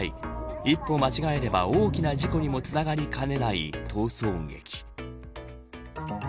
一歩間違えれば大きな事故にもつながりかねない逃走劇。